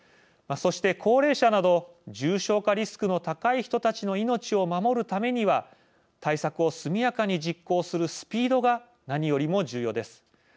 そして、高齢者など重症化リスクの高い人たちの命を守るためには対策を速やかに実行するスピードが、何よりも重要です。